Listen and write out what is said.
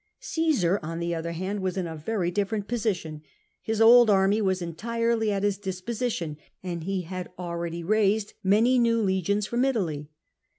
Umsar, on the other hand, was in a very different position; his old army was entirely at his disposition, and he had already raised many now legions from Italy.